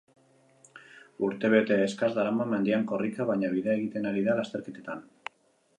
Urtebete eskas darama mendian korrika, baina bidea egiten ari da lasterketetan.